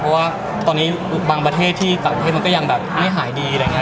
เพราะตอนนี้บางประเทศที่ต่างแคศมันยังไม่หายดี